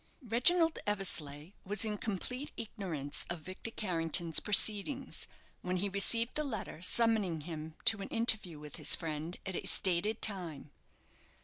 Reginald Eversleigh was in complete ignorance of Victor Carrington's proceedings, when he received the letter summoning him to an interview with his friend at a stated time.